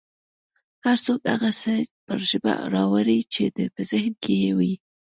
هر څوک هغه څه پر ژبه راوړي چې په ذهن کې یې وي